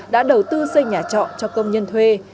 đã đầu tư xây nhà trọ cho công nhân thuê